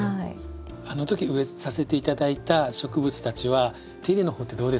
あのとき植えさせて頂いた植物たちは手入れの方ってどうですか？